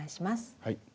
はい。